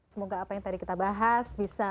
semoga apa yang tadi kita bahas bisa